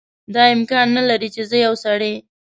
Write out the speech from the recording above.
دا امکان نه لري چې زه یو سړی.